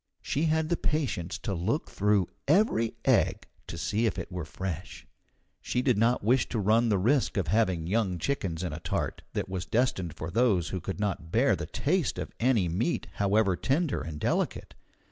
She had the patience to look through every egg to see if it were fresh. She did not wish to run the risk of having young chickens in a tart that was destined for those who could not bear the taste of any meat however tender and delicate.